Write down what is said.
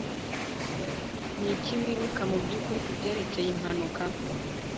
niki wibuka mubyukuri kubyerekeye impanuka?